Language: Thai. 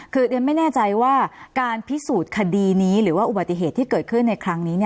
คือเรียนไม่แน่ใจว่าการพิสูจน์คดีนี้หรือว่าอุบัติเหตุที่เกิดขึ้นในครั้งนี้